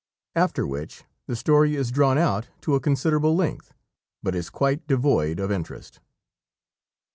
[After which the story is drawn out to a considerable length, but is quite devoid of interest.